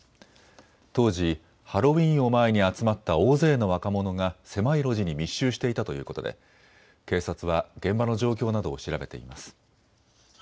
当時、ハロウィーンを前に集まった大勢の若者が狭い路地に密集していたということで警察は現場の状況などを調べています。